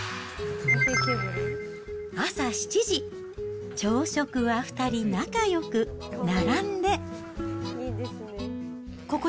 朝７時、朝食は２人仲よく、並んで。